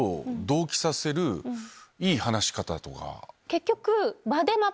結局。